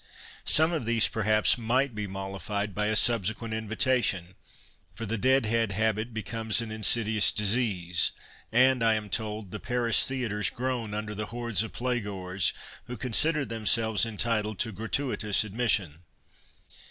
Some of these, perhaps, might be mollifu'd by a subsecpient invitation — for the " deadhead " habit becomes an insidious disease, and, I am told, the Paris theatres groan under the hordes of playgoers who consider themsrlvi's entitled to gratuitous admission.